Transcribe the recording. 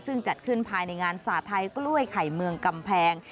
ซึ่งจัดขึ้นภายในงานศาสตร์ไทยกล้วยไข่เมืองกำแพง